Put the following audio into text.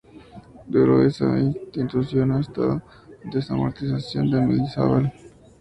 Duró esta institución hasta la desamortización de Mendizábal.